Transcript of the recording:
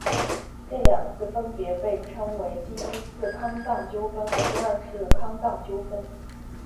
这两次分别被称为第一次康藏纠纷和第二次康藏纠纷。